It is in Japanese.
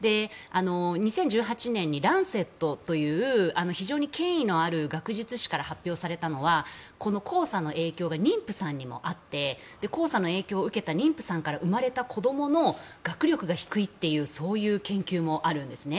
２０１８年に「ランセット」という非常に権威のある学術誌から発表されたのはこの黄砂の影響が妊婦さんにもあって黄砂の影響を受けた妊婦さんから産まれた子どもの学力が低いというそういう研究もあるんですね。